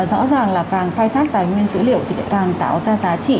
rõ ràng là càng khai thác tài nguyên dữ liệu thì càng tạo ra giá trị